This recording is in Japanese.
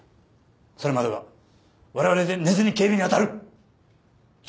それまではわれわれで寝ずに警備に当たる。